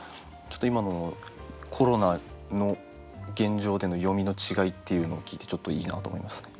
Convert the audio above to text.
今のコロナの現状での読みの違いっていうのを聞いてちょっといいなと思いますね。